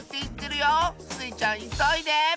スイちゃんいそいで！